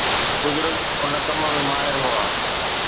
بزرگ ان ڪم ۾ ماهر هئا.